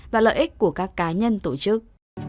và lợi ích của các cá nhân tổ chức